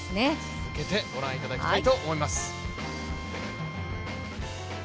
続けてご覧いただきたいと思います。